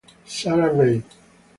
Sarah Reid